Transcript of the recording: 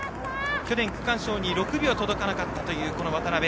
去年、区間賞に６秒届かなかった渡邉。